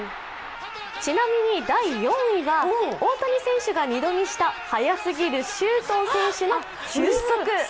ちなみに第４位が、大谷選手が２度見した速すぎる周東選手の俊足！